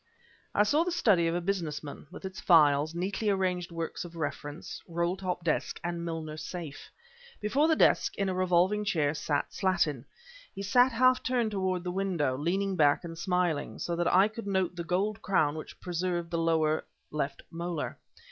I saw the study of a business man, with its files, neatly arranged works of reference, roll top desk, and Milner safe. Before the desk, in a revolving chair, sat Slattin. He sat half turned toward the window, leaning back and smiling; so that I could note the gold crown which preserved the lower left molar.